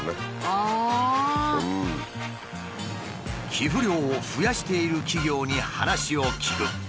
寄付量を増やしている企業に話を聞く。